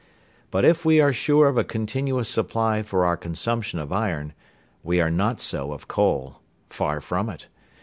But if we are sure of a continuous supply for our consumption of iron, we are not so of coal. Far from it.